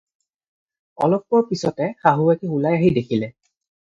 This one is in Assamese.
অলপ পৰ পিছতে শাহুৱেকে ওলাই আহি দেখিলে।